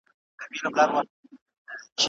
ايا نظم تل ښه دی؟